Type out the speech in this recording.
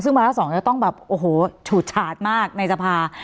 ซึ่งวาระ๒จะต้องแบบโอ้โหฉูดฉาดมากในสภา